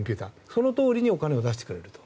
そのとおりにお金を出してくれると。